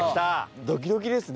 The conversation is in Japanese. ドキドキですね。